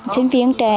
sinh viên trẻ